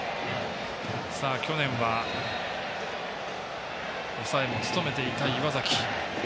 去年は抑えも務めていた岩崎。